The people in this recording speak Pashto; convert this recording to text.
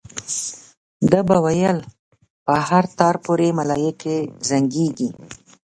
ده به ویل په هر تار پورې ملایکې زنګېږي.